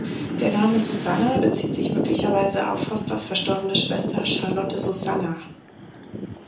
Der Name Susanna bezieht sich möglicherweise auf Fosters verstorbene Schwester Charlotte Susannah.